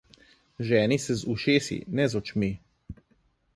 Ženi se z ušesi, ne z očmi!